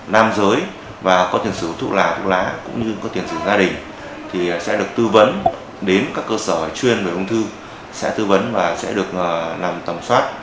nam giới và có tiền sử thuốc làng thuốc lá cũng như có tiền sử gia đình thì sẽ được tư vấn đến các cơ sở chuyên về ung thư sẽ tư vấn và sẽ được làm tầm soát